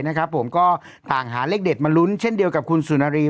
นะครับผมก็ต่างหาเลขเด็ดมาลุ้นเช่นเดียวกับคุณสุนารี